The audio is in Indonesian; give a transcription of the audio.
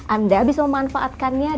anda bisa memanfaatkannya